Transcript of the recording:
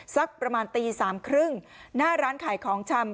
สักประมาณตี๓๓๐หน้าร้านขายของชำ